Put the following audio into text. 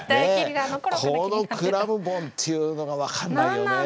このクラムボンっていうのが分かんないよね。